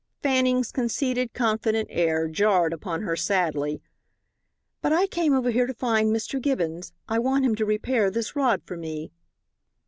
Fanning's conceited, confident air jarred upon her sadly. "But I came over here to find Mr. Gibbons. I want him to repair this rod for me."